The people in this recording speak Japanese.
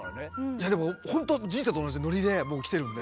いやでもほんと人生と同じでノリでもうきてるんで。